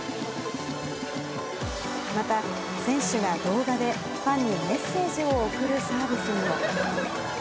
また、選手が動画でファンにメッセージを送るサービスにも。